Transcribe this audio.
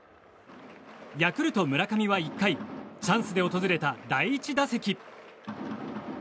ヤクルト村上は１回チャンスで訪れた第１打席。